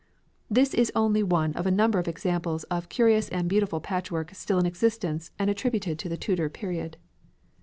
This is only one of a number of examples of curious and beautiful patchwork still in existence and attributed to the Tudor period.